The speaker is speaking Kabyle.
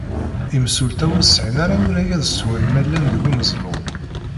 Imsulta ur sεin ara urag ad swen ma llan deg umeẓlu.